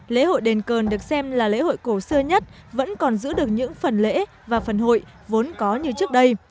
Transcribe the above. lễ hội đền cờ được xem là lễ hội cổ xưa nhất vẫn còn giữ được những phần lễ và phần hội vốn có như trước đây